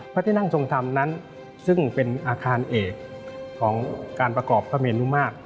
พระที่นั่งทรงธรรมนั้นซึ่งเป็นอาคารเอกของการประกอบพระเมรุมาตร